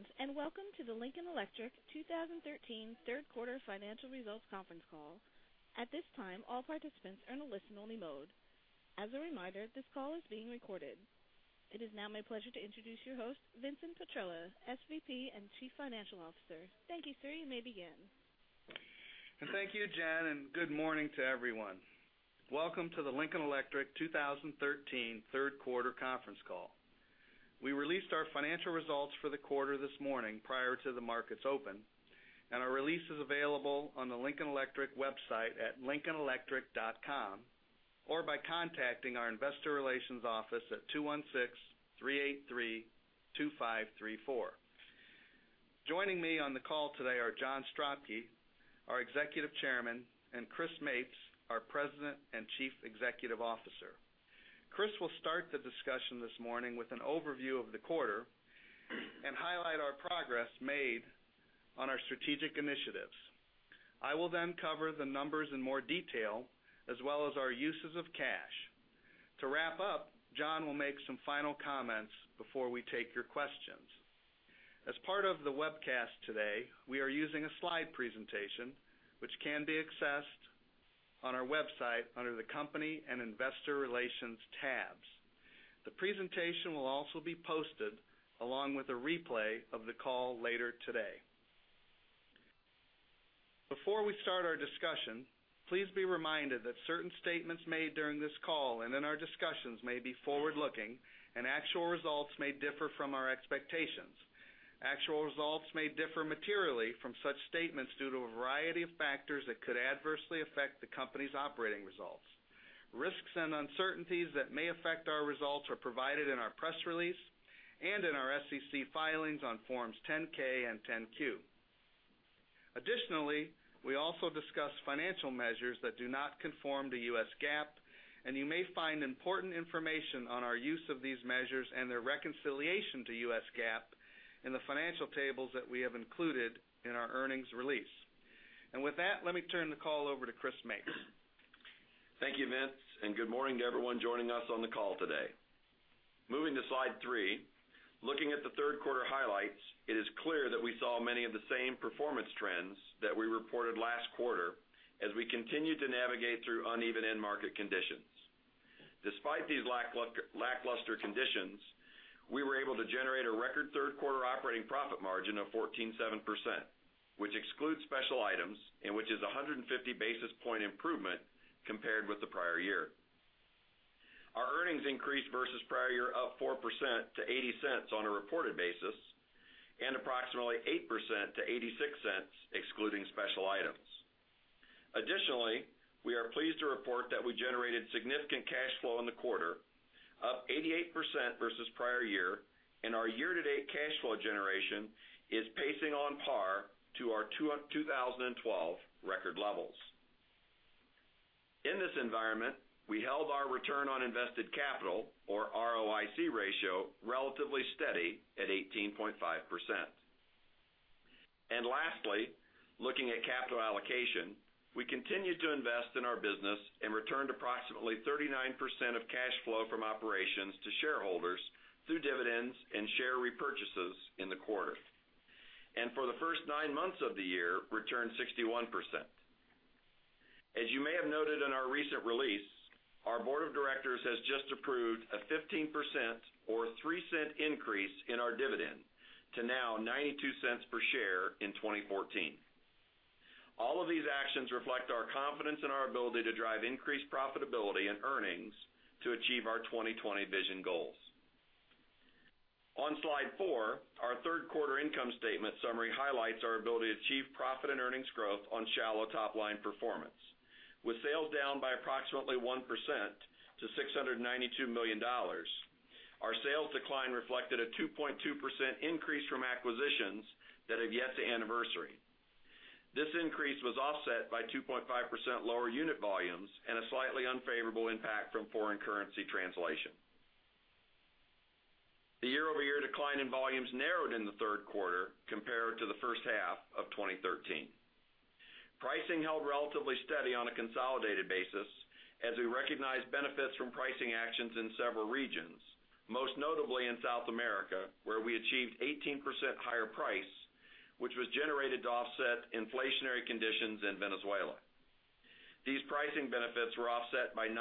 Greetings, welcome to the Lincoln Electric 2013 third quarter financial results conference call. At this time, all participants are in a listen-only mode. As a reminder, this call is being recorded. It is now my pleasure to introduce your host, Vincent Petrella, SVP and Chief Financial Officer. Thank you, sir. You may begin. Thank you, Jen, good morning to everyone. Welcome to the Lincoln Electric 2013 third quarter conference call. We released our financial results for the quarter this morning prior to the markets open, and our release is available on the lincolnelectric.com website or by contacting our investor relations office at 216-383-2534. Joining me on the call today are John Stropki, our Executive Chairman, and Chris Mapes, our President and Chief Executive Officer. Chris will start the discussion this morning with an overview of the quarter and highlight our progress made on our strategic initiatives. I will cover the numbers in more detail, as well as our uses of cash. To wrap up, John will make some final comments before we take your questions. As part of the webcast today, we are using a slide presentation, which can be accessed on our website under the company and investor relations tabs. The presentation will also be posted along with a replay of the call later today. Before we start our discussion, please be reminded that certain statements made during this call and in our discussions may be forward-looking, and actual results may differ from our expectations. Actual results may differ materially from such statements due to a variety of factors that could adversely affect the company's operating results. Risks and uncertainties that may affect our results are provided in our press release and in our SEC filings on forms 10-K and 10-Q. Additionally, we also discuss financial measures that do not conform to US GAAP, and you may find important information on our use of these measures and their reconciliation to US GAAP in the financial tables that we have included in our earnings release. With that, let me turn the call over to Chris Mapes. Thank you, Vince, and good morning to everyone joining us on the call today. Moving to slide three, looking at the third-quarter highlights, it is clear that we saw many of the same performance trends that we reported last quarter as we continued to navigate through uneven end-market conditions. Despite these lackluster conditions, we were able to generate a record third-quarter operating profit margin of 14.7%, which excludes special items and which is a 150-basis point improvement compared with the prior year. Our earnings increased versus prior year of 4% to $0.80 on a reported basis, and approximately 8% to $0.86 excluding special items. Additionally, we are pleased to report that we generated significant cash flow in the quarter, up 88% versus the prior year, and our year-to-date cash flow generation is pacing on par to our 2012 record levels. In this environment, we held our return on invested capital, or ROIC ratio, relatively steady at 18.5%. Lastly, looking at capital allocation, we continued to invest in our business and returned approximately 39% of cash flow from operations to shareholders through dividends and share repurchases in the quarter. For the first nine months of the year, returned 61%. As you may have noted in our recent release, our board of directors has just approved a 15% or $0.03 increase in our dividend to now $0.92 per share in 2014. All of these actions reflect our confidence in our ability to drive increased profitability and earnings to achieve our 2020 vision goals. On slide four, our third-quarter income statement summary highlights our ability to achieve profit and earnings growth on shallow top-line performance. With sales down by approximately 1% to $692 million, our sales decline reflected a 2.2% increase from acquisitions that have yet to anniversary. This increase was offset by 2.5% lower unit volumes and a slightly unfavorable impact from foreign currency translation. The year-over-year decline in volumes narrowed in the third quarter compared to the first half of 2013. Pricing held relatively steady on a consolidated basis as we recognized benefits from pricing actions in several regions, most notably in South America, where we achieved 18% higher price, which was generated to offset inflationary conditions in Venezuela. These pricing benefits were offset by 9%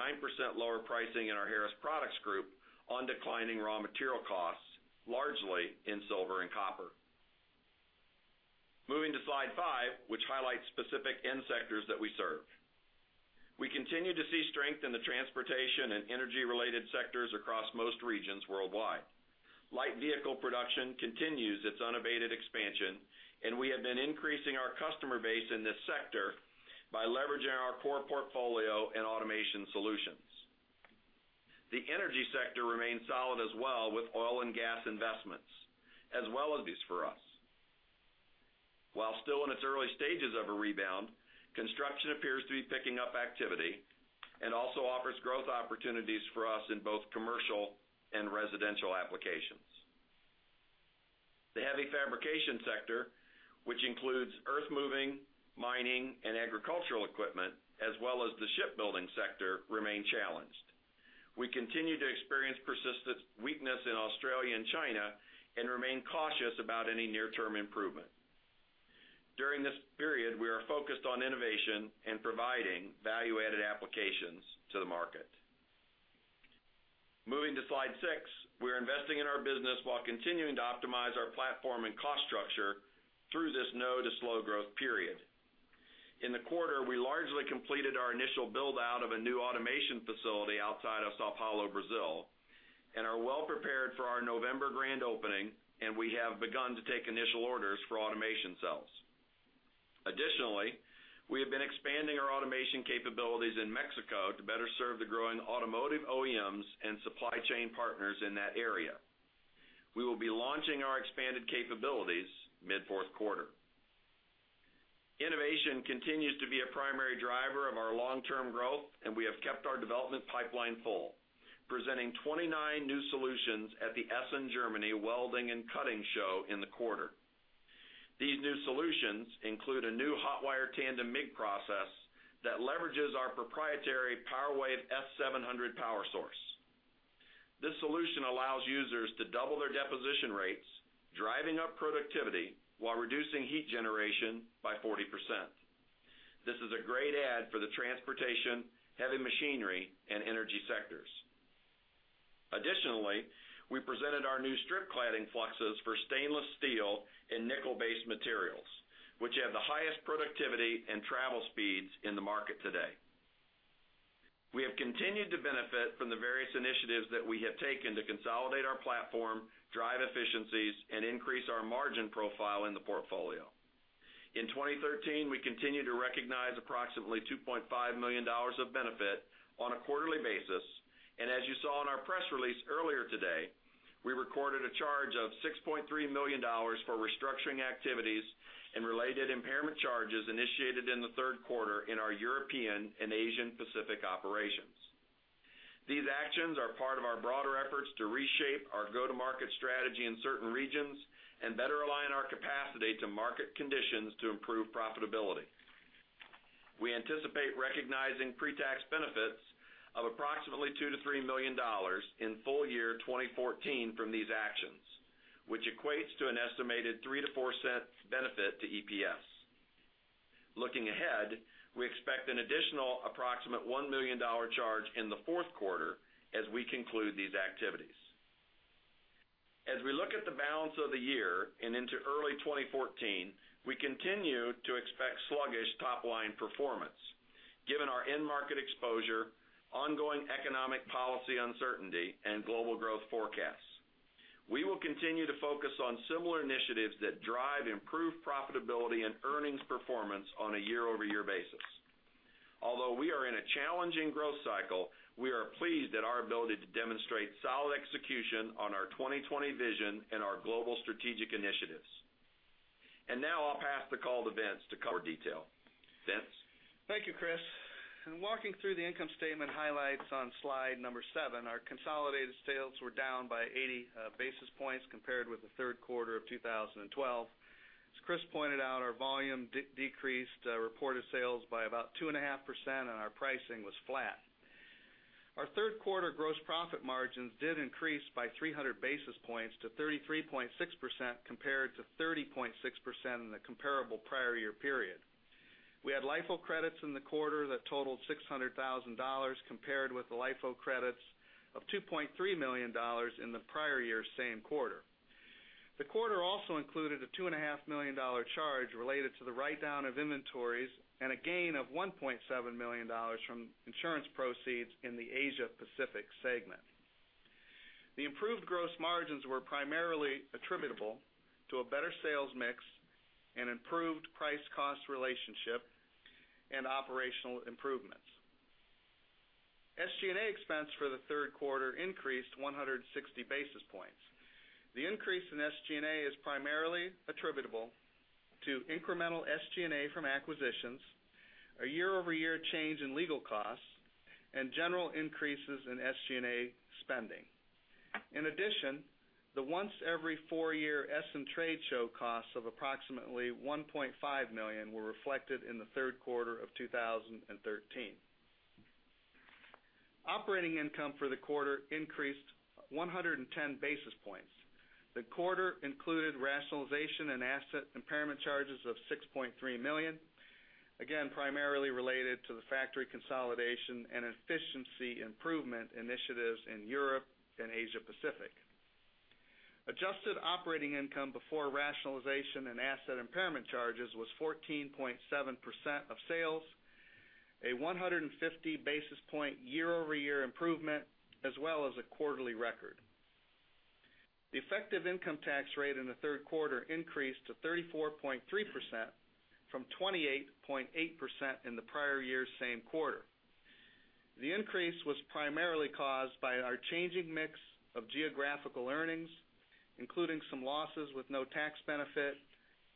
lower pricing in our Harris Products Group on declining raw material costs, largely in silver and copper. Moving to slide five, which highlights specific end sectors that we serve. We continue to see strength in the transportation and energy-related sectors across most regions worldwide. Light vehicle production continues its unabated expansion. We have been increasing our customer base in this sector by leveraging our core portfolio and automation solutions. The energy sector remains solid as well, with oil and gas investments, as well as for us. While still in its early stages of a rebound, construction appears to be picking up activity and also offers growth opportunities for us in both commercial and residential applications. The heavy fabrication sector, which includes earthmoving, mining, and agricultural equipment, as well as the shipbuilding sector, remain challenged. We continue to experience persistent weakness in Australia and China and remain cautious about any near-term improvement. During this period, we are focused on innovation and providing value-added applications to the market. Moving to slide six. We're investing in our business while continuing to optimize our platform and cost structure through this no to slow growth period. In the quarter, we largely completed our initial build-out of a new automation facility outside of São Paulo, Brazil, and are well-prepared for our November grand opening, and we have begun to take initial orders for automation cells. Additionally, we have been expanding our automation capabilities in Mexico to better serve the growing automotive OEMs and supply chain partners in that area. We will be launching our expanded capabilities mid fourth quarter. Innovation continues to be a primary driver of our long-term growth, and we have kept our development pipeline full, presenting 29 new solutions at the Essen Germany welding and cutting show in the quarter. These new solutions include a new hotwire tandem MIG process that leverages our proprietary PowerWave S700 power source. This solution allows users to double their deposition rates, driving up productivity while reducing heat generation by 40%. This is a great add for the transportation, heavy machinery, and energy sectors. Additionally, we presented our new strip cladding fluxes for stainless steel and nickel-based materials, which have the highest productivity and travel speeds in the market today. We have continued to benefit from the various initiatives that we have taken to consolidate our platform, drive efficiencies, and increase our margin profile in the portfolio. In 2013, we continued to recognize approximately $2.5 million of benefit on a quarterly basis. As you saw in our press release earlier today, we recorded a charge of $6.3 million for restructuring activities and related impairment charges initiated in the third quarter in our European and Asia Pacific operations. These actions are part of our broader efforts to reshape our go-to-market strategy in certain regions and better align our capacity to market conditions to improve profitability. We anticipate recognizing pre-tax benefits of approximately $2 million to $3 million in full year 2014 from these actions, which equates to an estimated $0.03 to $0.04 benefit to EPS. Looking ahead, we expect an additional approximate $1 million charge in the fourth quarter as we conclude these activities. As we look at the balance of the year and into early 2014, we continue to expect sluggish top-line performance given our end market exposure, ongoing economic policy uncertainty, and global growth forecasts. We will continue to focus on similar initiatives that drive improved profitability and earnings performance on a year-over-year basis. Although we are in a challenging growth cycle, we are pleased at our ability to demonstrate solid execution on our 2020 Vision and our Global Strategic Initiatives. Now I'll pass the call to Vince to cover detail. Vince? Thank you, Chris. In walking through the income statement highlights on slide number seven, our consolidated sales were down by 80 basis points compared with the third quarter of 2012. As Chris pointed out, our volume decreased reported sales by about 2.5%, and our pricing was flat. Our third quarter gross profit margins did increase by 300 basis points to 33.6%, compared to 30.6% in the comparable prior year period. We had LIFO credits in the quarter that totaled $600,000, compared with the LIFO credits of $2.3 million in the prior year's same quarter. The quarter also included a $2.5 million charge related to the write-down of inventories and a gain of $1.7 million from insurance proceeds in the Asia Pacific segment. The improved gross margins were primarily attributable to a better sales mix, an improved price-cost relationship, and operational improvements. SG&A expense for the third quarter increased 160 basis points. The increase in SG&A is primarily attributable to incremental SG&A from acquisitions, a year-over-year change in legal costs, and general increases in SG&A spending. In addition, the once every four year Essen trade show costs of approximately $1.5 million were reflected in the third quarter of 2013. Operating income for the quarter increased 110 basis points. The quarter included rationalization and asset impairment charges of $6.3 million, again, primarily related to the factory consolidation and efficiency improvement initiatives in Europe and Asia Pacific. Adjusted operating income before rationalization and asset impairment charges was 14.7% of sales, a 150 basis point year-over-year improvement, as well as a quarterly record. The effective income tax rate in the third quarter increased to 34.3%, from 28.8% in the prior year's same quarter. The increase was primarily caused by our changing mix of geographical earnings, including some losses with no tax benefit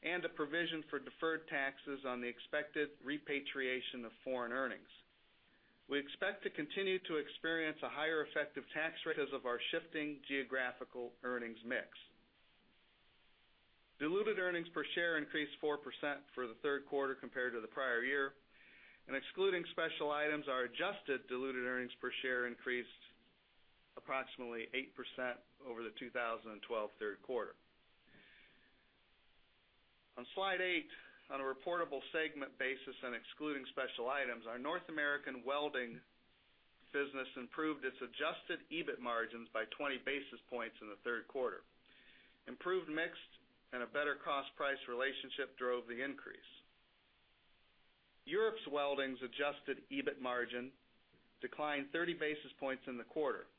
and a provision for deferred taxes on the expected repatriation of foreign earnings. We expect to continue to experience a higher effective tax rate because of our shifting geographical earnings mix. Diluted earnings per share increased 4% for the third quarter compared to the prior year. Excluding special items, our adjusted diluted earnings per share increased approximately 8% over the 2012 third quarter. On slide eight, on a reportable segment basis and excluding special items, our North American Welding business improved its adjusted EBIT margins by 20 basis points in the third quarter. Improved mix and a better cost-price relationship drove the increase. Europe's Welding's adjusted EBIT margin declined 30 basis points in the quarter.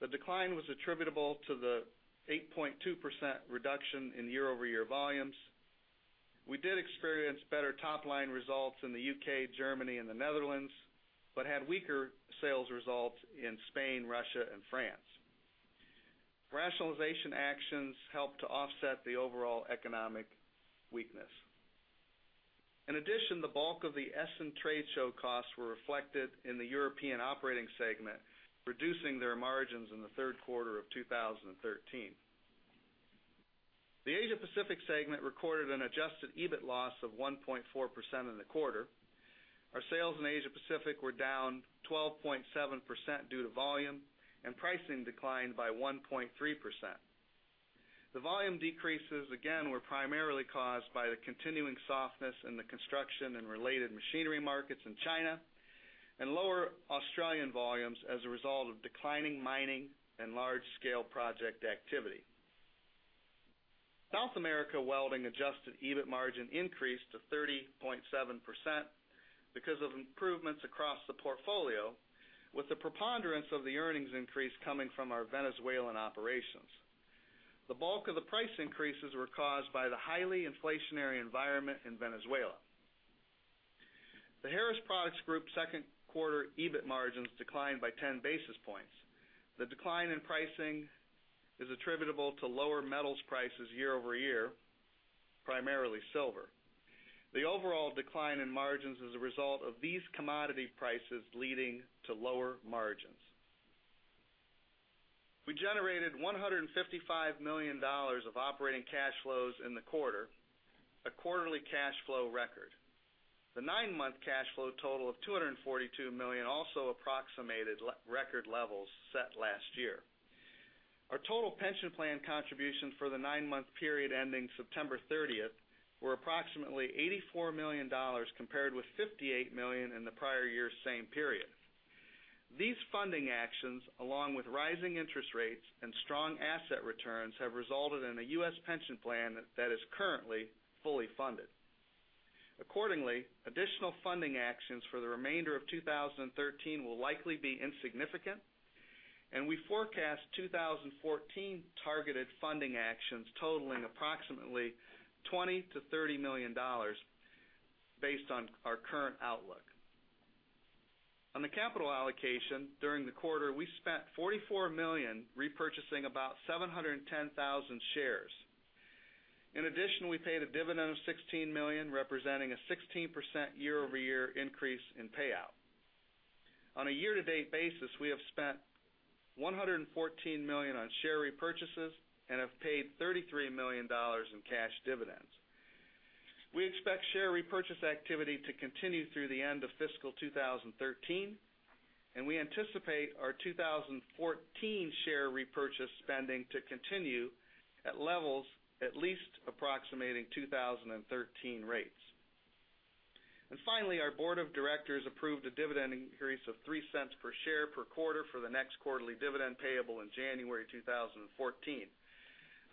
The decline was attributable to the 8.2% reduction in year-over-year volumes. We did experience better top-line results in the U.K., Germany, and the Netherlands, but had weaker sales results in Spain, Russia, and France. Rationalization actions helped to offset the overall economic weakness. In addition, the bulk of the Essen trade show costs were reflected in the European operating segment, reducing their margins in the third quarter of 2013. The Asia-Pacific segment recorded an adjusted EBIT loss of 1.4% in the quarter. Our sales in Asia-Pacific were down 12.7% due to volume, and pricing declined by 1.3%. The volume decreases, again, were primarily caused by the continuing softness in the construction and related machinery markets in China, and lower Australian volumes as a result of declining mining and large-scale project activity. South America Welding adjusted EBIT margin increased to 30.7% because of improvements across the portfolio, with the preponderance of the earnings increase coming from our Venezuelan operations. The bulk of the price increases were caused by the highly inflationary environment in Venezuela. The Harris Products Group second quarter EBIT margins declined by 10 basis points. The decline in pricing is attributable to lower metals prices year-over-year, primarily silver. The overall decline in margins is a result of these commodity prices leading to lower margins. We generated $155 million of operating cash flows in the quarter, a quarterly cash flow record. The nine-month cash flow total of $242 million also approximated record levels set last year. Our total pension plan contributions for the nine-month period ending September 30th were approximately $84 million, compared with $58 million in the prior year's same period. These funding actions, along with rising interest rates and strong asset returns, have resulted in a U.S. pension plan that is currently fully funded. Accordingly, additional funding actions for the remainder of 2013 will likely be insignificant. We forecast 2014 targeted funding actions totaling approximately $20 million to $30 million, based on our current outlook. On the capital allocation, during the quarter, we spent $44 million repurchasing about 710,000 shares. In addition, we paid a dividend of $16 million, representing a 16% year-over-year increase in payout. On a year-to-date basis, we have spent $114 million on share repurchases and have paid $33 million in cash dividends. We expect share repurchase activity to continue through the end of fiscal 2013. We anticipate our 2014 share repurchase spending to continue at levels at least approximating 2013 rates. Finally, our board of directors approved a dividend increase of $0.03 per share per quarter for the next quarterly dividend payable in January 2014.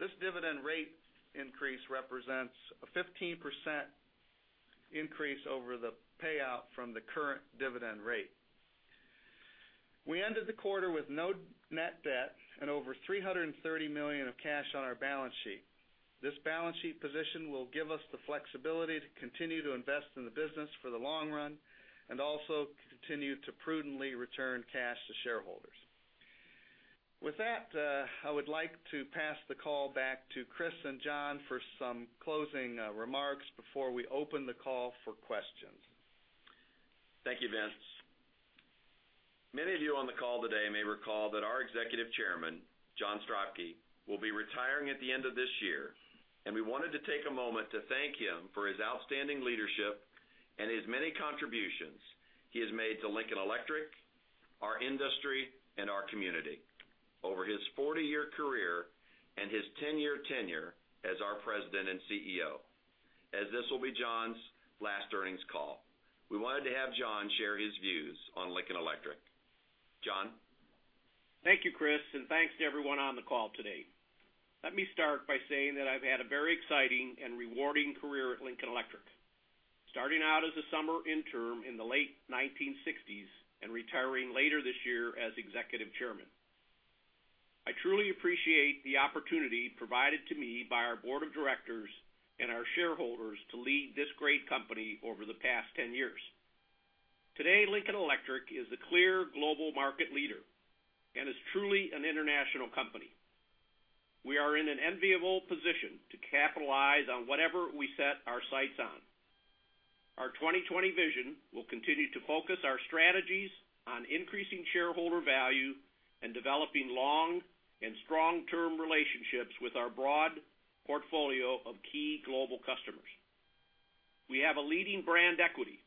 This dividend rate increase represents a 15% increase over the payout from the current dividend rate. We ended the quarter with no net debt and over $330 million of cash on our balance sheet. This balance sheet position will give us the flexibility to continue to invest in the business for the long run and also continue to prudently return cash to shareholders. With that, I would like to pass the call back to Chris and John for some closing remarks before we open the call for questions. Thank you, Vince. Many of you on the call today may recall that our Executive Chairman, John Stropki, will be retiring at the end of this year. We wanted to take a moment to thank him for his outstanding leadership and his many contributions he has made to Lincoln Electric, our industry, and our community over his 40-year career and his 10-year tenure as our President and CEO. As this will be John's last earnings call, we wanted to have John share his views on Lincoln Electric. John? Thank you, Chris. Thanks to everyone on the call today. Let me start by saying that I've had a very exciting and rewarding career at Lincoln Electric, starting out as a summer intern in the late 1960s and retiring later this year as executive chairman. I truly appreciate the opportunity provided to me by our board of directors and our shareholders to lead this great company over the past 10 years. Today, Lincoln Electric is the clear global market leader and is truly an international company. We are in an enviable position to capitalize on whatever we set our sights on. Our 2020 vision will continue to focus our strategies on increasing shareholder value and developing long and strong term relationships with our broad portfolio of key global customers. We have a leading brand equity,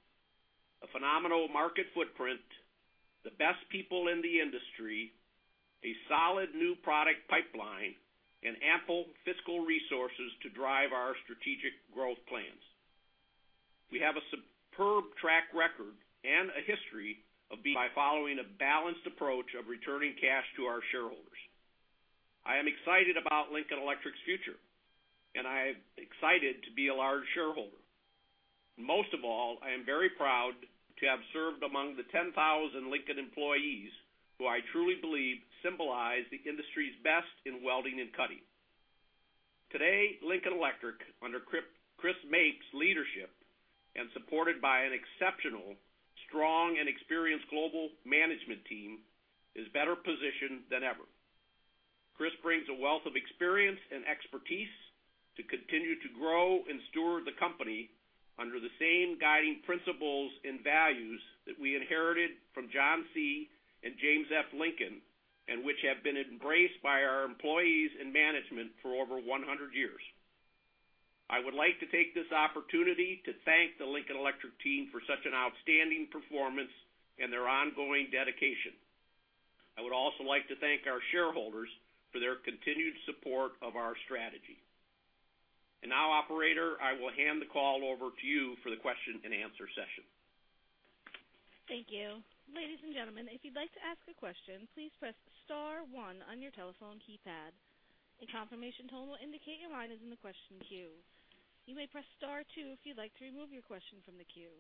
a phenomenal market footprint, the best people in the industry, a solid new product pipeline, and ample fiscal resources to drive our strategic growth plans. We have a superb track record and a history of following a balanced approach of returning cash to our shareholders. I am excited about Lincoln Electric's future, and I am excited to be a large shareholder. Most of all, I am very proud to have served among the 10,000 Lincoln employees who I truly believe symbolize the industry's best in welding and cutting. Today, Lincoln Electric, under Chris Mapes's leadership, and supported by an exceptional, strong, and experienced global management team, is better positioned than ever. Chris brings a wealth of experience and expertise to continue to grow and steward the company under the same guiding principles and values that we inherited from John C. and James F. Lincoln, which have been embraced by our employees and management for over 100 years. I would like to take this opportunity to thank the Lincoln Electric team for such an outstanding performance and their ongoing dedication. I would also like to thank our shareholders for their continued support of our strategy. Now, operator, I will hand the call over to you for the question and answer session. Thank you. Ladies and gentlemen, if you'd like to ask a question, please press *1 on your telephone keypad. A confirmation tone will indicate your line is in the question queue. You may press *2 if you'd like to remove your question from the queue.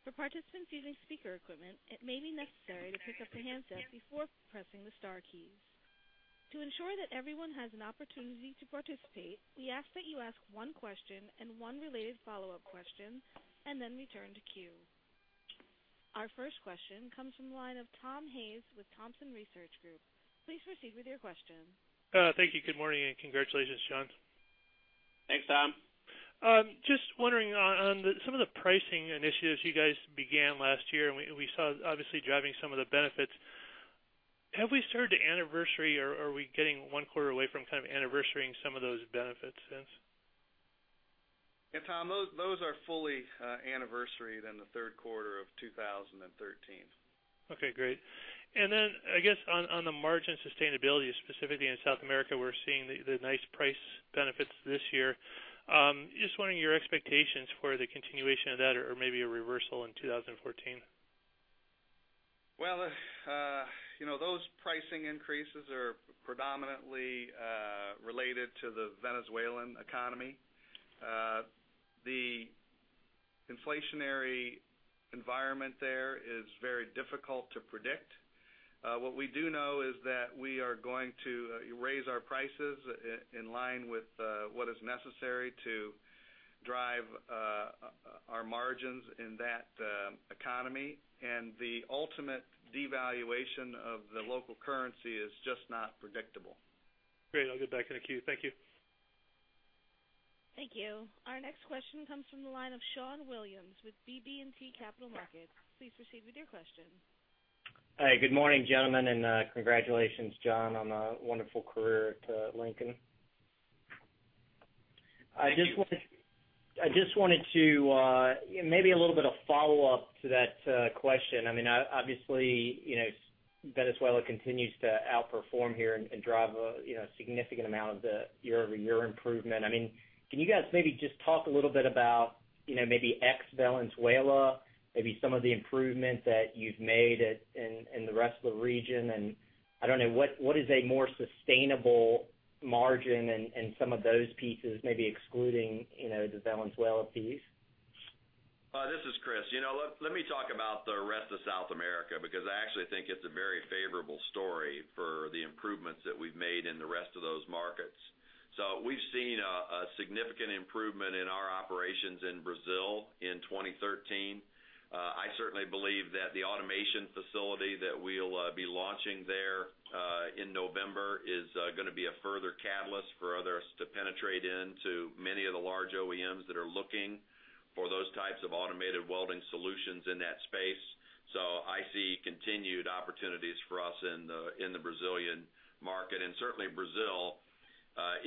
For participants using speaker equipment, it may be necessary to pick up the handset before pressing the star keys. To ensure that everyone has an opportunity to participate, we ask that you ask one question and one related follow-up question, then return to queue. Our first question comes from the line of Tom Hayes with Thompson Research Group. Please proceed with your question. Thank you. Good morning. Congratulations, John. Thanks, Tom. Just wondering on some of the pricing initiatives you guys began last year, we saw, obviously, driving some of the benefits. Have we started to anniversary, or are we getting one quarter away from kind of anniversarying some of those benefits since? Tom, those are fully anniversaried in the third quarter of 2013. Great. Then, on the margin sustainability, specifically in South America, we're seeing the nice price benefits this year. Just wondering your expectations for the continuation of that or maybe a reversal in 2014. Well, those pricing increases are predominantly related to the Venezuelan economy. The inflationary environment there is very difficult to predict. What we do know is that we are going to raise our prices in line with what is necessary to drive our margins in that economy, and the ultimate devaluation of the local currency is just not predictable. Great. I'll get back in the queue. Thank you. Thank you. Our next question comes from the line of Schon Williams with BB&T Capital Markets. Please proceed with your question. Hi, good morning, gentlemen, and congratulations, John, on a wonderful career at Lincoln. Thank you. I just wanted to, maybe a little bit of follow-up to that question. Obviously, Venezuela continues to outperform here and drive a significant amount of the year-over-year improvement. Can you guys maybe just talk a little bit about, maybe ex Venezuela, maybe some of the improvements that you've made in the rest of the region? I don't know, what is a more sustainable margin in some of those pieces, maybe excluding the Venezuela piece? This is Chris. Let me talk about the rest of South America, because I actually think it's a very favorable story for the improvements that we've made in the rest of those markets. We've seen a significant improvement in our operations in Brazil in 2013. I certainly believe that the automation facility that we'll be launching there in November is going to be a further catalyst for others to penetrate into many of the large OEMs that are looking for those types of automated welding solutions in that space. I see continued opportunities for us in the Brazilian market. Certainly, Brazil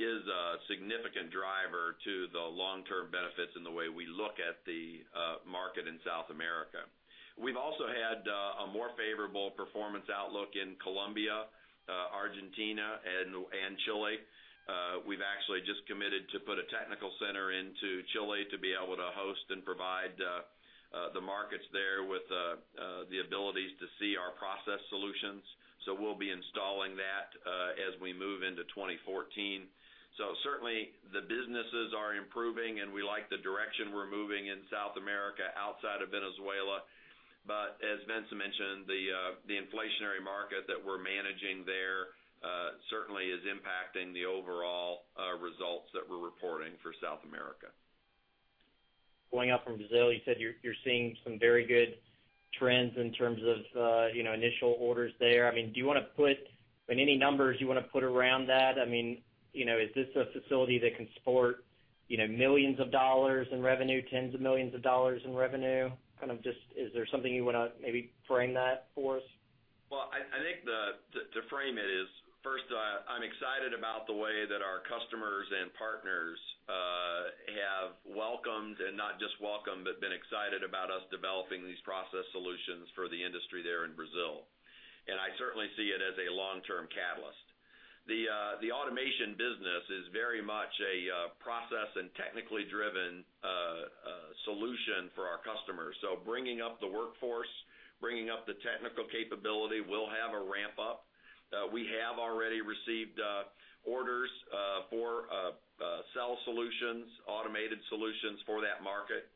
is a significant driver to the long-term benefits in the way we look at the market in South America. We've also had a more favorable performance outlook in Colombia, Argentina, and Chile. We've actually just committed to put a technical center into Chile to be able to host and provide the markets there with the abilities to see our process solutions. We'll be installing that as we move into 2014. Certainly, the businesses are improving, and we like the direction we're moving in South America outside of Venezuela. As Vince mentioned, the inflationary market that we're managing there certainly is impacting the overall results that we're reporting for South America. Going out from Brazil, you said you're seeing some very good trends in terms of initial orders there. Are there any numbers you want to put around that? Is this a facility that can support millions of dollars in revenue, tens of millions of dollars in revenue? Is there something you want to maybe frame that for us? Well, I think to frame it is, first, I'm excited about the way that our customers and partners have welcomed, not just welcomed, but been excited about us developing these process solutions for the industry there in Brazil. I certainly see it as a long-term catalyst. The automation business is very much a process and technically driven solution for our customers. Bringing up the workforce, bringing up the technical capability will have a ramp-up. We have already received orders for cell solutions, automated solutions for that market.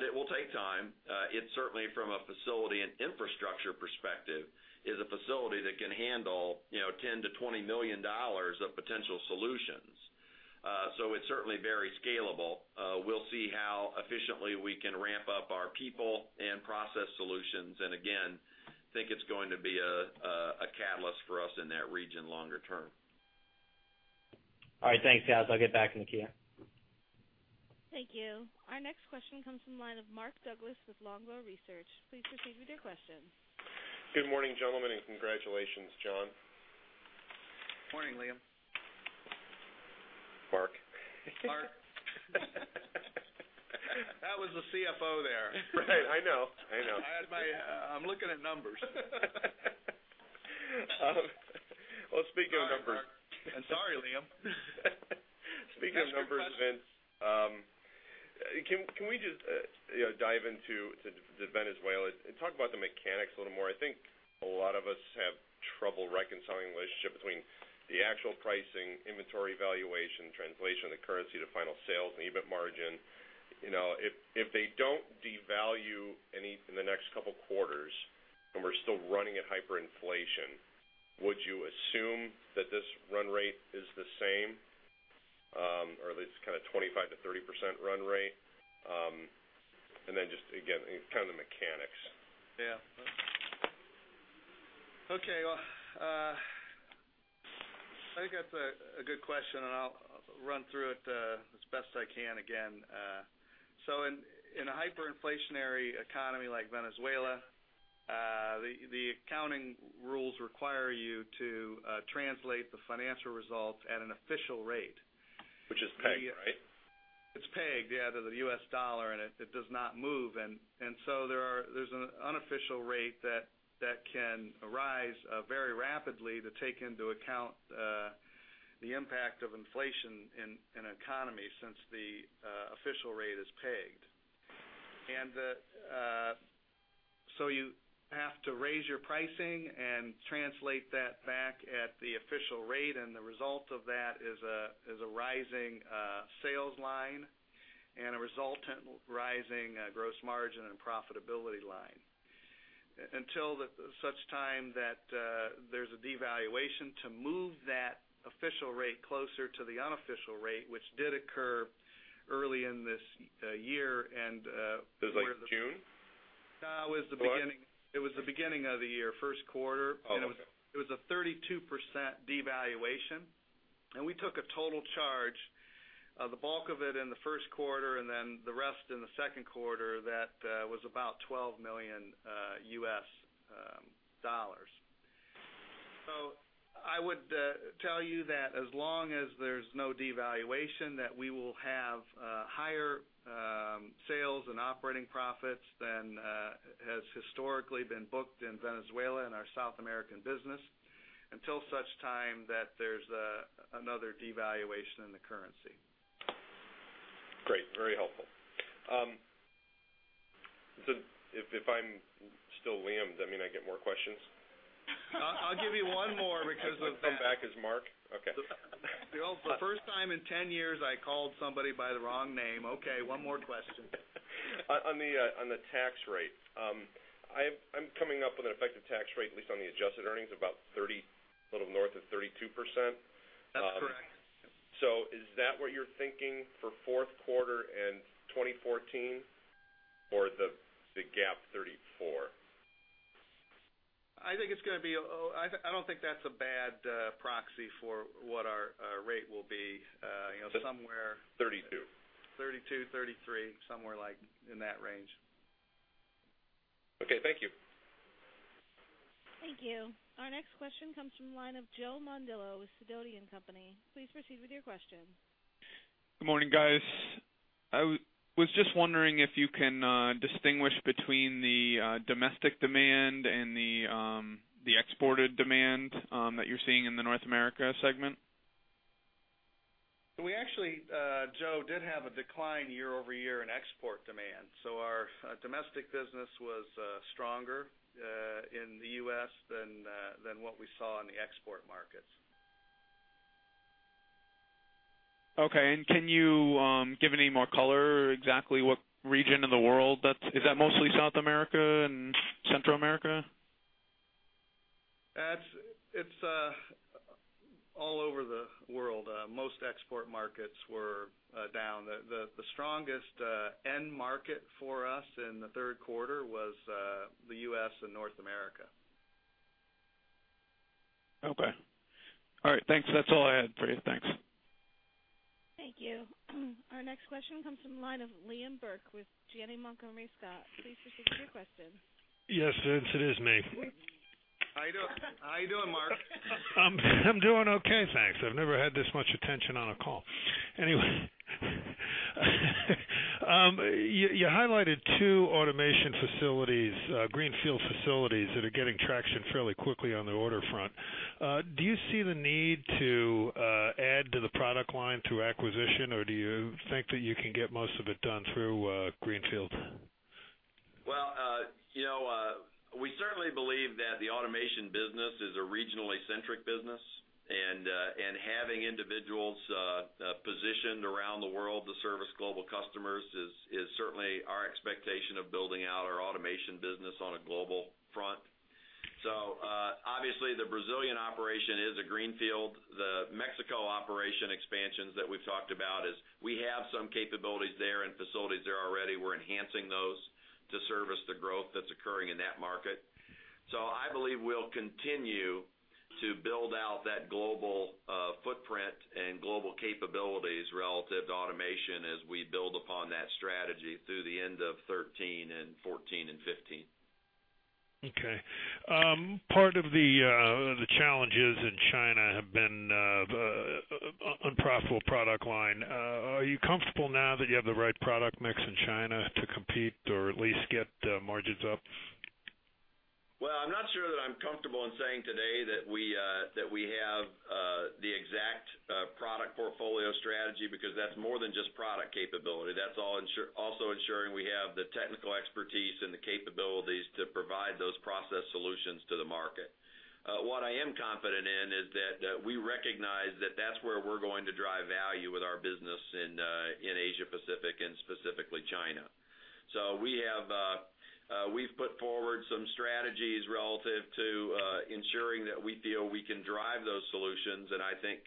It will take time. It certainly, from a facility and infrastructure perspective, is a facility that can handle $10-$20 million of potential solutions. It's certainly very scalable. We'll see how efficiently we can ramp up our people and process solutions, and again, think it's going to be a catalyst for us in that region longer term. All right. Thanks, guys. I'll get back in the queue. Thank you. Our next question comes from the line of Mark Douglass with Longbow Research. Please proceed with your question. Good morning, gentlemen, and congratulations, John. Morning, Liam. Mark. Mark. That was the CFO there. Right, I know. I'm looking at numbers. Well, speaking of numbers. Sorry, Mark. Sorry, Liam. Speaking of numbers, Vince. Can we just dive into Venezuela and talk about the mechanics a little more? I think a lot of us have trouble reconciling the relationship between the actual pricing, inventory valuation, translation, the currency to final sales and EBIT margin. If they don't devalue in the next couple of quarters, and we're still running at hyperinflation, would you assume that this run rate is the same, or at least kind of 25%-30% run rate? Then just again, kind of the mechanics. Yeah. Okay. I think that's a good question, I'll run through it as best I can again. In a hyperinflationary economy like Venezuela, the accounting rules require you to translate the financial results at an official rate. Which is pegged, right? It's pegged, yeah, to the US dollar, it does not move. There's an unofficial rate that can arise very rapidly to take into account the impact of inflation in an economy since the official rate is pegged. You have to raise your pricing and translate that back at the official rate, the result of that is a rising sales line and a resultant rising gross margin and profitability line. Until such time that there's a devaluation to move that official rate closer to the unofficial rate, which did occur early in this year. It was like June? It was the beginning of the year, first quarter. Okay. It was a 32% devaluation. We took a total charge of the bulk of it in the first quarter and then the rest in the second quarter. That was about $12 million. I would tell you that as long as there's no devaluation, that we will have higher sales and operating profits than has historically been booked in Venezuela and our South American business, until such time that there's another devaluation in the currency. Great. Very helpful. If I'm still Liam, does that mean I get more questions? I'll give you one more. I come back as Mark? Okay. The first time in 10 years I called somebody by the wrong name. Okay, one more question. On the tax rate. I'm coming up with an effective tax rate, at least on the adjusted earnings, about 30, a little north of 32%. That's correct. Is that what you're thinking for fourth quarter and 2014 or the GAAP 34? I don't think that's a bad proxy for what our rate will be. 32 32, 33, somewhere in that range. Okay, thank you. Thank you. Our next question comes from the line of Joseph Mondillo with Sidoti & Company. Please proceed with your question. Good morning, guys. I was just wondering if you can distinguish between the domestic demand and the exported demand that you're seeing in the North America segment. We actually, Joe, did have a decline year-over-year in export demand. Our domestic business was stronger in the U.S. than what we saw in the export markets. Okay, can you give any more color exactly what region in the world? Is that mostly South America and Central America? It's all over the world. Most export markets were down. The strongest end market for us in the third quarter was the U.S. and North America. Okay. All right, thanks. That's all I had for you. Thanks. Thank you. Our next question comes from the line of Liam Burke with Janney Montgomery Scott. Please proceed with your question. Yes, it is me. How are you doing, Mark? I'm doing okay, thanks. I've never had this much attention on a call. Anyway, you highlighted two automation facilities, greenfield facilities that are getting traction fairly quickly on the order front. Do you see the need to add to the product line through acquisition, or do you think that you can get most of it done through greenfield? Well, we certainly believe that the automation business is a regionally centric business, and having individuals positioned around the world to service global customers is certainly our expectation of building out our automation business on a global front. Obviously, the Brazilian operation is a greenfield. The Mexico operation expansions that we've talked about is, we have some capabilities there and facilities there already. We're enhancing those to service the growth that's occurring in that market. I believe we'll continue to build out that global footprint and global capabilities relative to automation as we build upon that strategy through the end of 2013 and 2014 and 2015. Okay. Part of the challenges in China have been the unprofitable product line. Are you comfortable now that you have the right product mix in China to compete or at least get margins up? Well, I'm not sure that I'm comfortable in saying today that we have the exact product portfolio strategy, because that's more than just product capability. That's also ensuring we have the technical expertise and the capabilities to provide those process solutions to the market. What I am confident in is that, we recognize that that's where we're going to drive value with our business in Asia-Pacific and specifically China. We've put forward some strategies relative to ensuring that we feel we can drive those solutions, and I think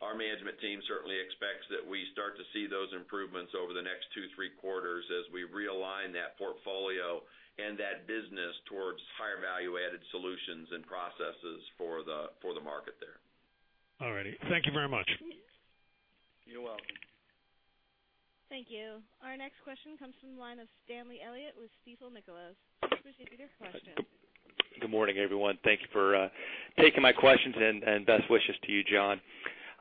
our management team certainly expects that we start to see those improvements over the next two, three quarters as we realign that portfolio and that business towards higher value-added solutions and processes for the market there. All right. Thank you very much. You're welcome. Thank you. Our next question comes from the line of Stanley Elliott with Stifel Nicolaus. Please proceed with your question. Good morning, everyone. Thank you for taking my questions and best wishes to you, John.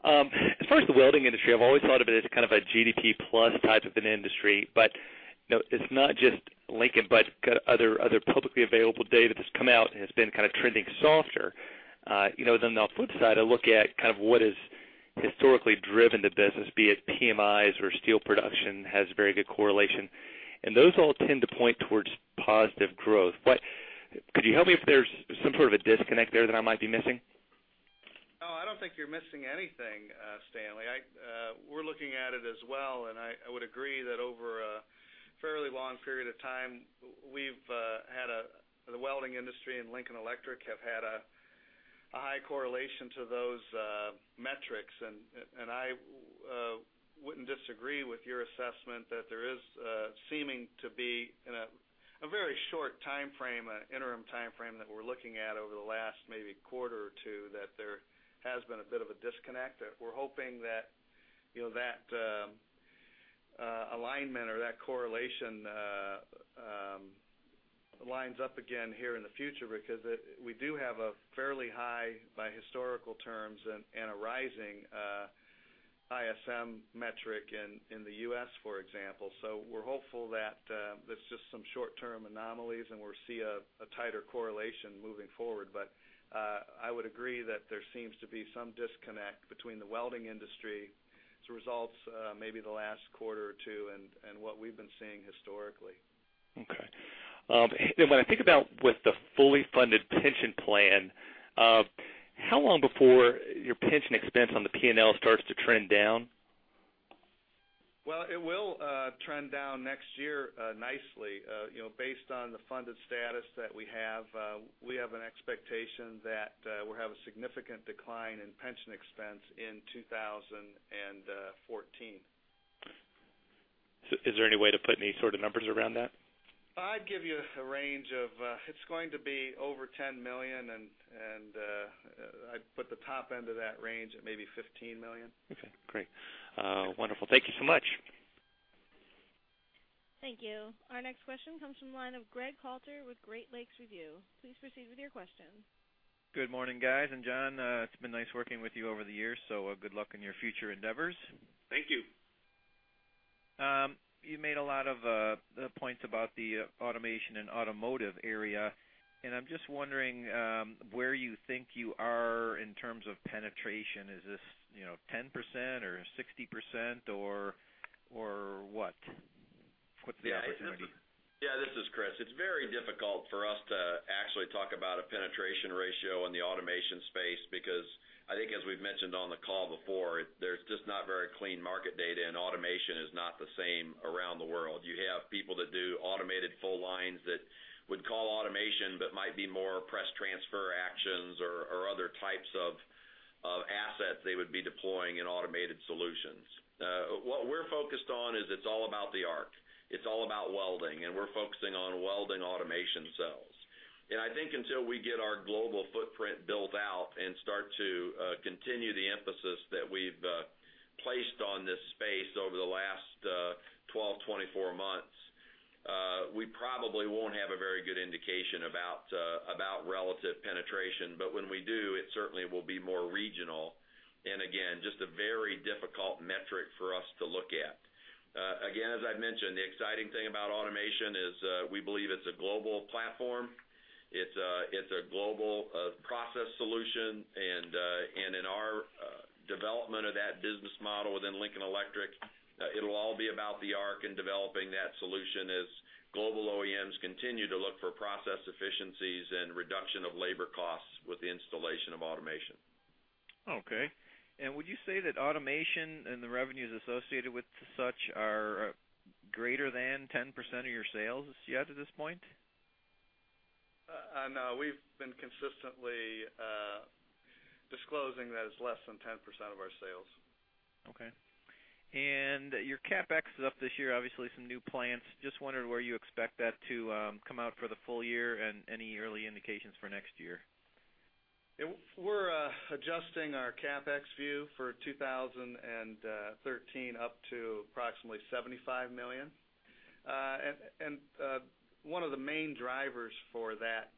As far as the welding industry, I've always thought of it as kind of a GDP plus type of an industry. It's not just Lincoln, but other publicly available data that's come out and it's been kind of trending softer. On the flip side, I look at what has historically driven the business, be it PMIs or steel production, has very good correlation, and those all tend to point towards positive growth. Could you help me if there's some sort of a disconnect there that I might be missing? I don't think you're missing anything, Stanley. We're looking at it as well, I would agree that over a fairly long period of time, the welding industry and Lincoln Electric have had a high correlation to those metrics. I wouldn't disagree with your assessment that there is seeming to be, in a very short timeframe, an interim timeframe that we're looking at over the last maybe quarter or two, that there has been a bit of a disconnect. We're hoping that alignment or that correlation lines up again here in the future, because we do have a fairly high by historical terms and a rising ISM metric in the U.S., for example. We're hopeful that this is just some short-term anomalies, and we'll see a tighter correlation moving forward. I would agree that there seems to be some disconnect between the welding industry as a result of maybe the last quarter or two and what we've been seeing historically. Okay. When I think about with the fully funded pension plan, how long before your pension expense on the P&L starts to trend down? Well, it will trend down next year nicely. Based on the funded status that we have, we have an expectation that we'll have a significant decline in pension expense in 2014. Is there any way to put any sort of numbers around that? I'd give you a range of, it's going to be over $10 million, and I'd put the top end of that range at maybe $15 million. Okay, great. Wonderful. Thank you so much. Thank you. Our next question comes from the line of Greg Halter with Great Lakes Review. Please proceed with your question. Good morning, guys. John, it's been nice working with you over the years, so good luck in your future endeavors. Thank you. You made a lot of points about the automation and automotive area, I'm just wondering where you think you are in terms of penetration. Is this 10% or 60% or what? What's the opportunity? Yeah, this is Chris. It's very difficult for us to actually talk about a penetration ratio in the automation space because I think as we've mentioned on the call before, there's just not very clean market data. Automation is not the same around the world. You have people that do automated full lines that would call automation, but might be more press transfer actions or other types of assets they would be deploying in automated solutions. What we're focused on is it's all about the arc. It's all about welding, we're focusing on welding automation cells. I think until we get our global footprint built out and start to continue the emphasis that we've placed on this space over the last 12, 24 months, we probably won't have a very good indication about relative penetration. When we do, it certainly will be more regional. Again, just a very difficult metric for us to look at. As I mentioned, the exciting thing about automation is we believe it's a global platform. It's a global process solution, in our development of that business model within Lincoln Electric, it'll all be about the arc and developing that solution as global OEMs continue to look for process efficiencies and reduction of labor costs with the installation of automation. Okay. Would you say that automation and the revenues associated with such are greater than 10% of your sales yet at this point? No, we've been consistently disclosing that it's less than 10% of our sales. Okay. Your CapEx is up this year, obviously, some new plants. Just wondering where you expect that to come out for the full year and any early indications for next year. We're adjusting our CapEx view for 2013 up to approximately $75 million. One of the main drivers for that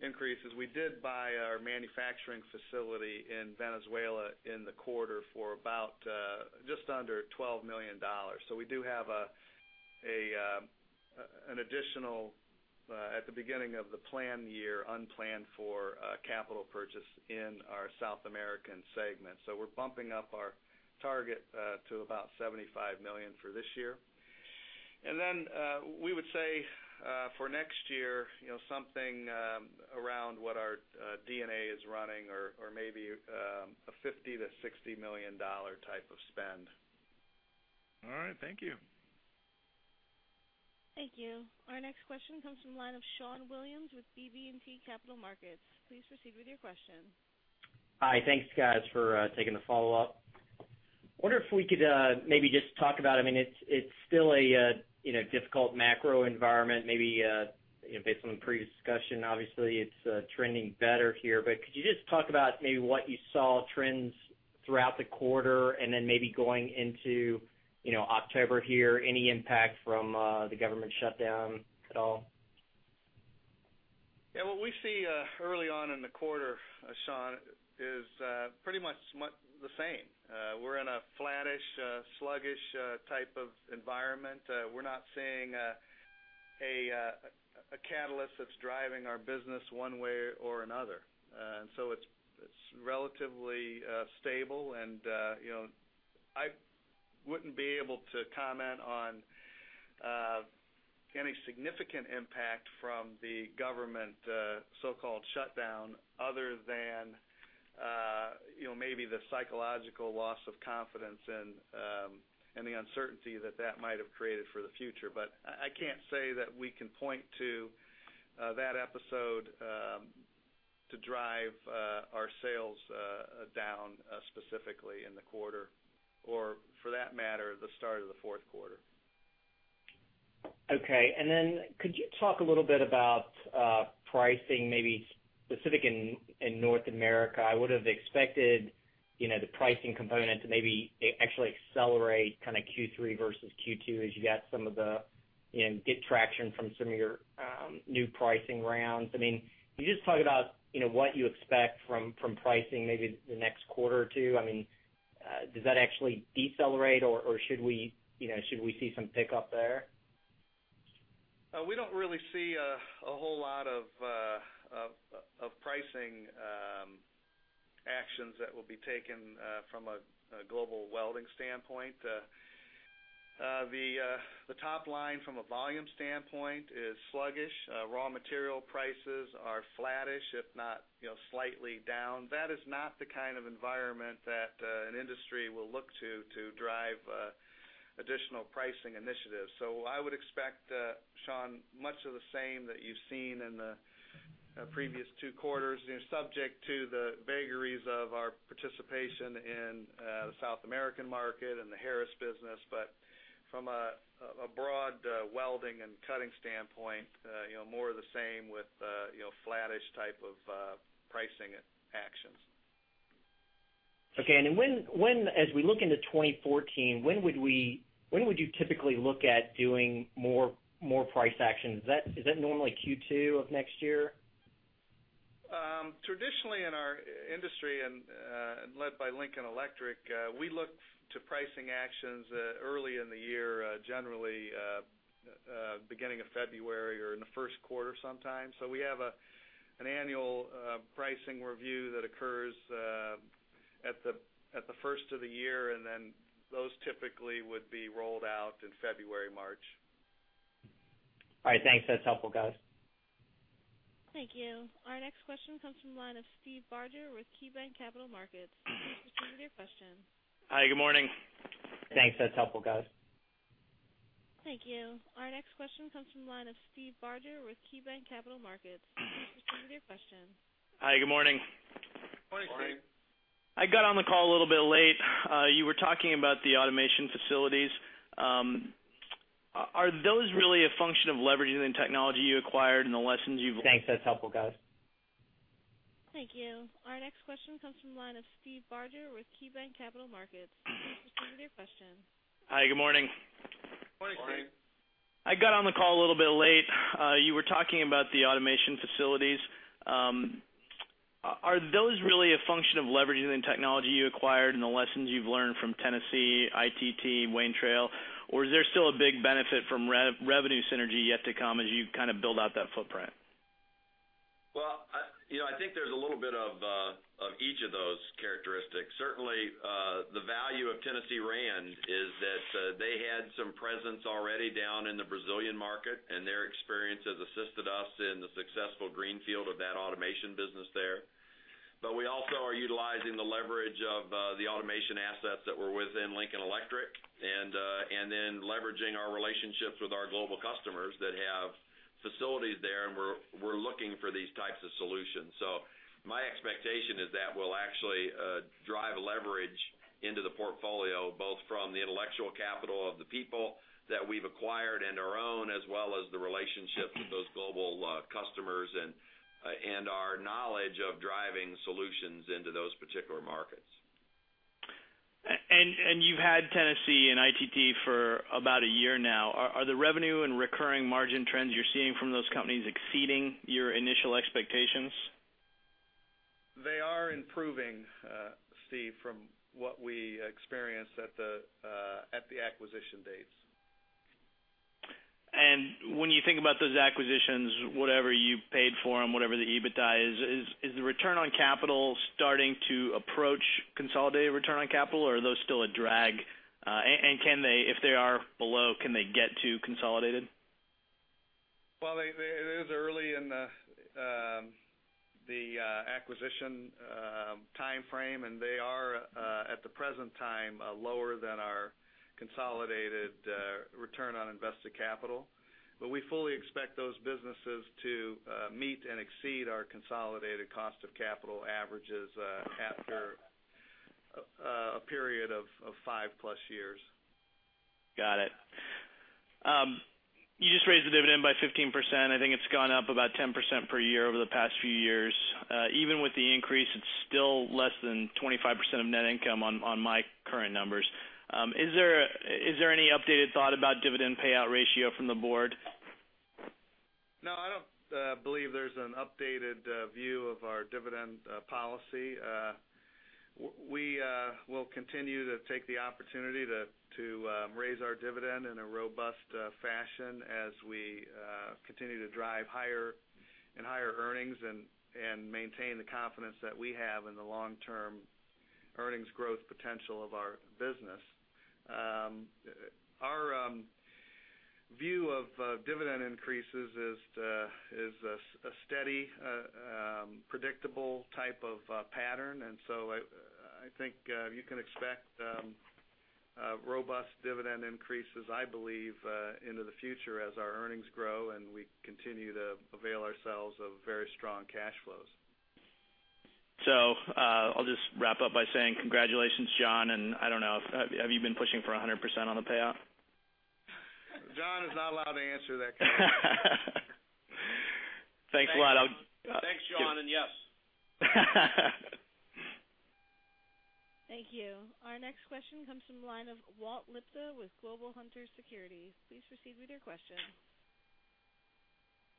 increase is we did buy our manufacturing facility in Venezuela in the quarter for about just under $12 million. We do have an additional, at the beginning of the plan year, unplanned for capital purchase in our South American segment. We're bumping up our target to about $75 million for this year. We would say for next year, something around what our D&A is running or maybe a $50 million-$60 million type of spend. All right. Thank you. Thank you. Our next question comes from the line of Shawn Williams with BB&T Capital Markets. Please proceed with your question. Hi. Thanks, guys, for taking the follow-up. Wonder if we could maybe just talk about, it's still a difficult macro environment, maybe based on the previous discussion, obviously, it's trending better here. Could you just talk about maybe what you saw trends throughout the quarter and then maybe going into October here, any impact from the government shutdown at all? Yeah, what we see early on in the quarter, Shawn, is pretty much the same. We're in a flattish, sluggish type of environment. We're not seeing a catalyst that's driving our business one way or another. It's relatively stable and I wouldn't be able to comment on any significant impact from the government so-called shutdown other than maybe the psychological loss of confidence and the uncertainty that that might have created for the future. I can't say that we can point to that episode to drive our sales down specifically in the quarter or for that matter, the start of the fourth quarter. Okay. Could you talk a little bit about pricing, maybe specific in North America? I would've expected the pricing component to maybe actually accelerate kind of Q3 versus Q2 as you get traction from some of your new pricing rounds. Can you just talk about what you expect from pricing maybe the next quarter or two? Does that actually decelerate or should we see some pickup there? We don't really see a whole lot of pricing actions that will be taken from a global welding standpoint. The top line from a volume standpoint is sluggish. Raw material prices are flattish, if not slightly down. That is not the kind of environment that an industry will look to drive additional pricing initiatives. I would expect, Shawn, much of the same that you've seen in the previous two quarters, subject to the vagaries of our participation in the South American market and the Harris business. From a broad welding and cutting standpoint, more of the same with flattish type of pricing actions. Okay. As we look into 2014, when would you typically look at doing more price actions? Is that normally Q2 of next year? Traditionally, in our industry and led by Lincoln Electric, we look to pricing actions early in the year, generally, beginning of February or in the first quarter sometimes. We have an annual pricing review that occurs at the first of the year, and then those typically would be rolled out in February, March. All right, thanks. That's helpful, guys. Thank you. Our next question comes from the line of Steve Barger with KeyBanc Capital Markets. Please proceed with your question. Hi, good morning. Thanks. That's helpful, guys. Thank you. Our next question comes from the line of Steve Barger with KeyBanc Capital Markets. Please proceed with your question. Hi, good morning. Good morning, Steve. Morning. I got on the call a little bit late. You were talking about the automation facilities. Are those really a function of leveraging the technology you acquired and the lessons you've- Thanks. That's helpful, guys. Thank you. Our next question comes from the line of Steve Barger with KeyBanc Capital Markets. Please proceed with your question. Hi, good morning. Good morning, Steve. Morning. I got on the call a little bit late. You were talking about the automation facilities. Are those really a function of leveraging technology you acquired and the lessons you've learned from Tennessee, ITT, Wayne Trail? Is there still a big benefit from revenue synergy yet to come as you kind of build out that footprint? Well, I think there's a little bit of each of those characteristics. Certainly, the value of Tennessee Rand is that they had some presence already down in the Brazilian market, and their experience has assisted us in the successful greenfield of that automation business there. We also are utilizing the leverage of the automation assets that were within Lincoln Electric, and then leveraging our relationships with our global customers that have facilities there, and were looking for these types of solutions. My expectation is that we'll actually drive leverage into the portfolio, both from the intellectual capital of the people that we've acquired and our own, as well as the relationships with those global customers and our knowledge of driving solutions into those particular markets. You've had Tennessee and ITT for about a year now. Are the revenue and recurring margin trends you're seeing from those companies exceeding your initial expectations? They are improving, Steve, from what we experienced at the acquisition dates. When you think about those acquisitions, whatever you paid for them, whatever the EBITDA is the return on capital starting to approach consolidated return on capital, or are those still a drag? If they are below, can they get to consolidated? Well, it is early in the acquisition timeframe, and they are at the present time, lower than our consolidated return on invested capital. We fully expect those businesses to meet and exceed our consolidated cost of capital averages after a period of five plus years. Got it. You just raised the dividend by 15%. I think it's gone up about 10% per year over the past few years. Even with the increase, it's still less than 25% of net income on my current numbers. Is there any updated thought about dividend payout ratio from the board? No, I don't believe there's an updated view of our dividend policy. We will continue to take the opportunity to raise our dividend in a robust fashion as we continue to drive higher and higher earnings and maintain the confidence that we have in the long-term earnings growth potential of our business. Our view of dividend increases is a steady, predictable type of pattern. I think you can expect robust dividend increases, I believe, into the future as our earnings grow and we continue to avail ourselves of very strong cash flows. I'll just wrap up by saying congratulations, John, and I don't know, have you been pushing for 100% on the payout? John is not allowed to answer that, Kyle. Thanks a lot. Thanks, John. Yes. Thank you. Our next question comes from the line of Walt Liptak with Global Hunter Securities. Please proceed with your question.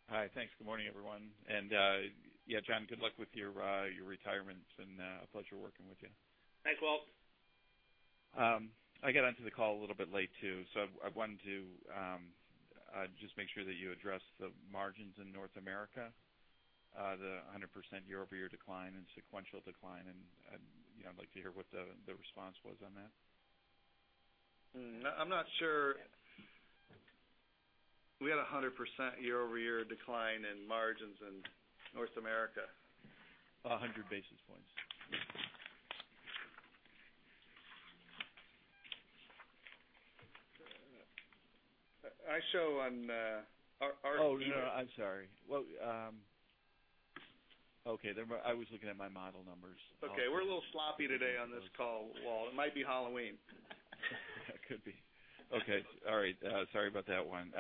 Hi, thanks. Good morning, everyone. John, good luck with your retirement, and a pleasure working with you. Thanks, Walt. I got onto the call a little bit late too, I wanted to just make sure that you address the margins in North America, the 100% year-over-year decline and sequential decline, and I'd like to hear what the response was on that. I'm not sure we had 100% year-over-year decline in margins in North America. 100 basis points. I show on our- Oh, no, I'm sorry. Well, okay. I was looking at my model numbers. Okay. We're a little sloppy today on this call, Walt. It might be Halloween. It could be. Okay. All right. Sorry about that one.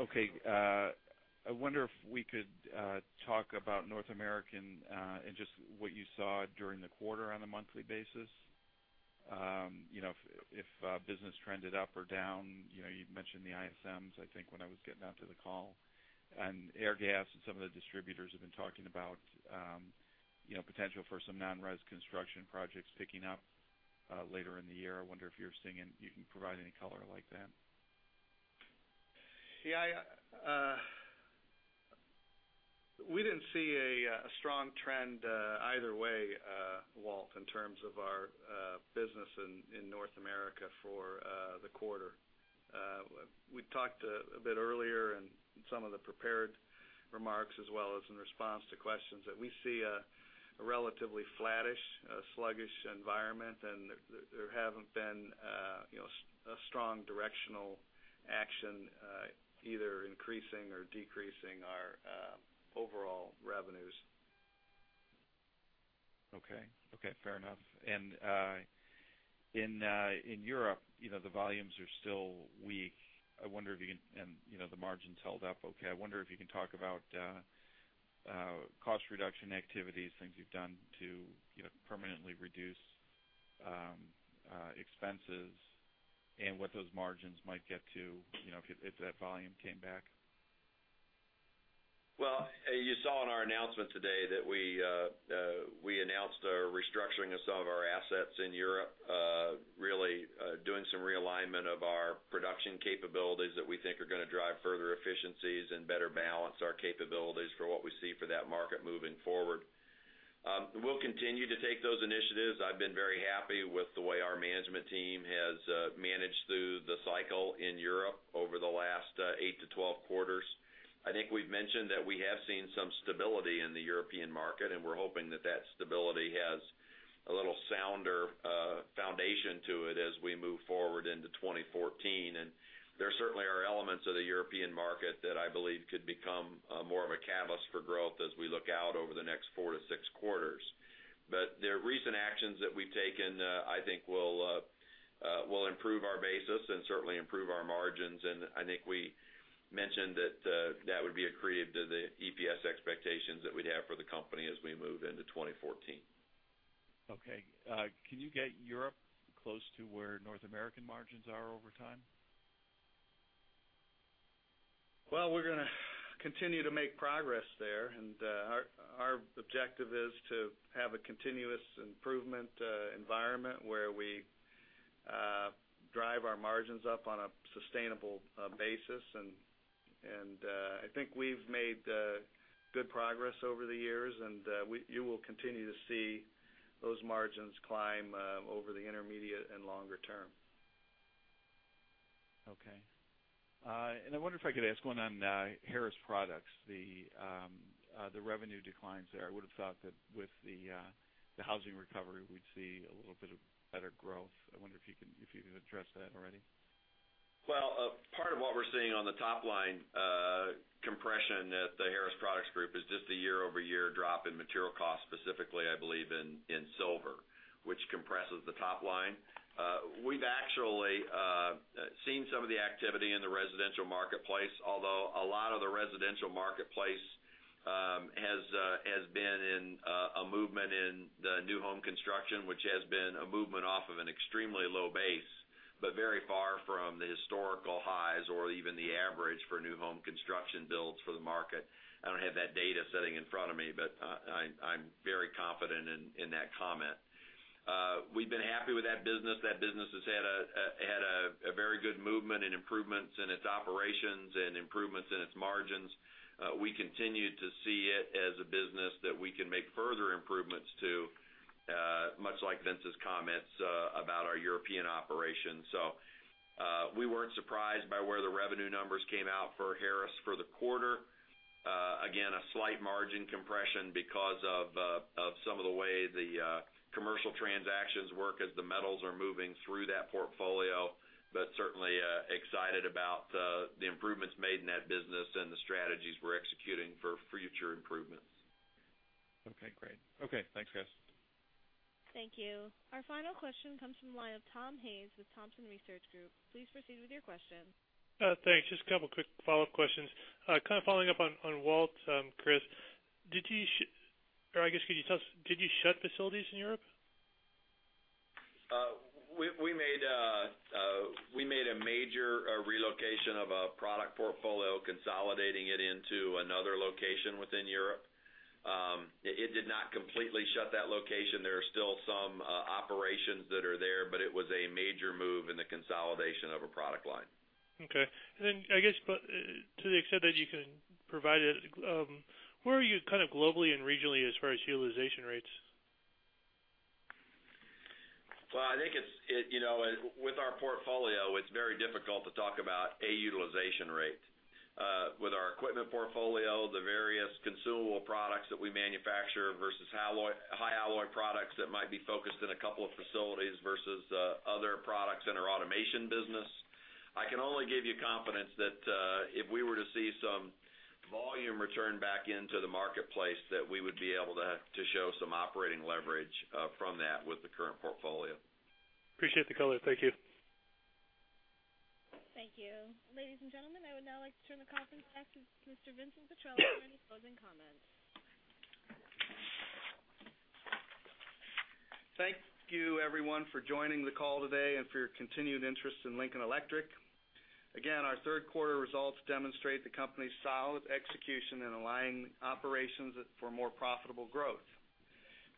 Okay. I wonder if we could talk about North America and just what you saw during the quarter on a monthly basis. If business trended up or down. You mentioned the ISMs, I think, when I was getting onto the call. Airgas and some of the distributors have been talking about potential for some non-res construction projects picking up later in the year. I wonder if you can provide any color like that. We didn't see a strong trend either way, Walt, in terms of our business in North America for the quarter. We talked a bit earlier in some of the prepared remarks, as well as in response to questions, that we see a relatively flattish, sluggish environment, there hasn't been a strong directional action either increasing or decreasing our overall revenues. Okay. Fair enough. In Europe, the volumes are still weak. The margins held up okay. I wonder if you can talk about cost reduction activities, things you've done to permanently reduce expenses, and what those margins might get to, if that volume came back. Well, you saw in our announcement today that we announced a restructuring of some of our assets in Europe, really doing some realignment of our production capabilities that we think are going to drive further efficiencies and better balance our capabilities for what we see for that market moving forward. We'll continue to take those initiatives. I've been very happy with the way our management team has managed through the cycle in Europe over the last 8 to 12 quarters. I think we've mentioned that we have seen some stability in the European market, and we're hoping that that stability has a little sounder foundation to it as we move forward into 2014. There certainly are elements of the European market that I believe could become more of a catalyst for growth as we look out over the next four to six quarters. The recent actions that we've taken, I think will improve our basis and certainly improve our margins. I think we mentioned that would be accretive to the EPS expectations that we'd have for the company as we move into 2014. Okay. Can you get Europe close to where North American margins are over time? Well, we're going to continue to make progress there. Our objective is to have a continuous improvement environment where we drive our margins up on a sustainable basis. I think we've made good progress over the years, and you will continue to see those margins climb over the intermediate and longer term. Okay. I wonder if I could ask one on Harris Products, the revenue declines there. I would've thought that with the housing recovery, we'd see a little bit of better growth. I wonder if you can address that already. Well, part of what we're seeing on the top-line compression at The Harris Products Group is just a year-over-year drop in material costs, specifically, I believe in silver, which compresses the top-line. We've actually seen some of the activity in the residential marketplace, although a lot of the residential marketplace has been in a movement in the new home construction, which has been a movement off of an extremely low base, but very far from the historical highs or even the average for new home construction builds for the market. I don't have that data sitting in front of me, but I'm very confident in that comment. We've been happy with that business. That business has had a very good movement and improvements in its operations and improvements in its margins. We continue to see it as a business that we can make further improvements to, much like Vince's comments about our European operations. We weren't surprised by where the revenue numbers came out for Harris for the quarter. Again, a slight margin compression because of some of the way the commercial transactions work as the metals are moving through that portfolio, but certainly excited about the improvements made in that business and the strategies we're executing for future improvements. Okay, great. Okay, thanks, guys. Thank you. Our final question comes from the line of Tom Hayes with Thompson Research Group. Please proceed with your question. Thanks. Just a couple of quick follow-up questions. Kind of following up on Walt, Chris, did you shut facilities in Europe? We made a major relocation of a product portfolio, consolidating it into another location within Europe. It did not completely shut that location. There are still some operations that are there, but it was a major move in the consolidation of a product line. Okay. Then, I guess, to the extent that you can provide it, where are you globally and regionally as far as utilization rates? Well, I think with our portfolio, it's very difficult to talk about a utilization rate. With our equipment portfolio, the various consumable products that we manufacture versus high alloy products that might be focused in a couple of facilities versus other products in our automation business. I can only give you confidence that if we were to see some volume return back into the marketplace, that we would be able to show some operating leverage from that with the current portfolio. Appreciate the color. Thank you. Thank you. Ladies and gentlemen, I would now like to turn the call back to Mr. Vincent Petrella for any closing comments. Thank you everyone for joining the call today and for your continued interest in Lincoln Electric. Our third quarter results demonstrate the company's solid execution in aligning operations for more profitable growth.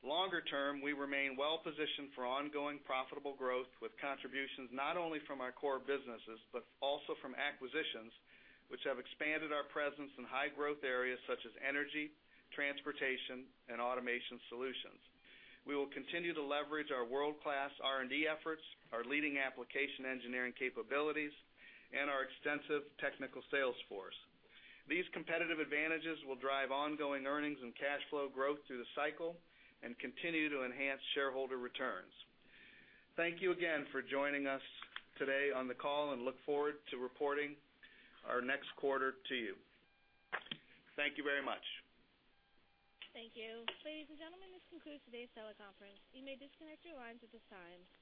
Longer term, we remain well-positioned for ongoing profitable growth with contributions not only from our core businesses, but also from acquisitions, which have expanded our presence in high-growth areas such as energy, transportation, and automation solutions. We will continue to leverage our world-class R&D efforts, our leading application engineering capabilities, and our extensive technical sales force. These competitive advantages will drive ongoing earnings and cash flow growth through the cycle and continue to enhance shareholder returns. Thank you again for joining us today on the call, look forward to reporting our next quarter to you. Thank you very much. Thank you. Ladies and gentlemen, this concludes today's teleconference. You may disconnect your lines at this time.